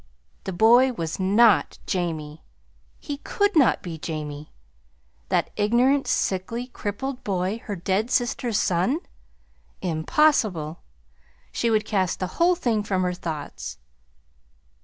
The boy was not Jamie he could not be Jamie. That ignorant, sickly, crippled boy her dead sister's son? Impossible! She would cast the whole thing from her thoughts.